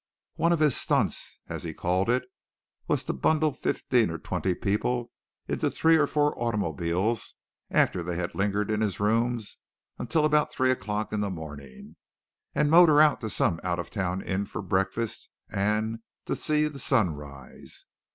One of his "Stunts" as he called it was to bundle fifteen or twenty people into three or four automobiles after they had lingered in his rooms until three o'clock in the morning and motor out to some out of town inn for breakfast and "to see the sun rise."